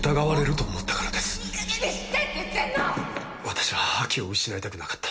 私はアキを失いたくなかった。